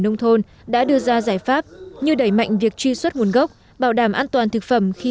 nông thôn đã đưa ra giải pháp như đẩy mạnh việc truy xuất nguồn gốc bảo đảm an toàn thực phẩm khi